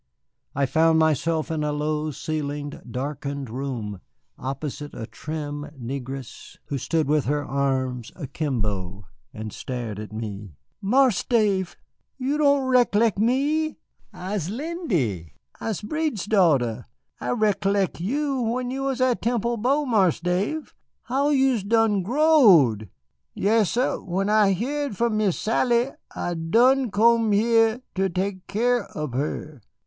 I found myself in a low ceiled, darkened room, opposite a trim negress who stood with her arms akimbo and stared at me. "Marse Dave, you doan rec'lect me. I'se Lindy, I'se Breed's daughter. I rec'lect you when you was at Temple Bow. Marse Dave, how you'se done growed! Yassir, when I heerd from Miss Sally I done comed here to tek cyar ob her."